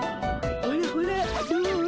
ほらほらどう？